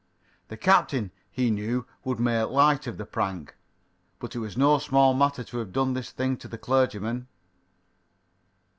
The captain, he knew, would make light of the prank. But it was no small matter to have done this thing to the clergyman.